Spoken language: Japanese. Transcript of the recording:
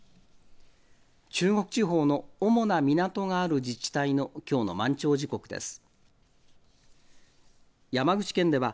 中国地方の主な港がある自治体のきょうの満潮時刻です。